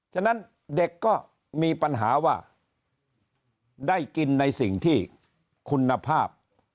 ฉะนั้นเด็กก็มีปัญหาว่าได้กินในสิ่งที่คุณภาพ